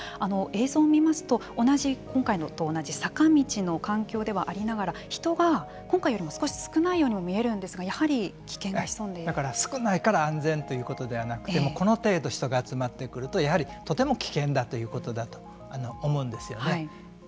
映像を見ますと今回と同じ坂道の環境ではありながら人が今回よりも少し少ないようにも見えるんですがだから少ないから安全ということではなくてこの程度人が集まってくるとやはりとても危険だということだと思うんですよね。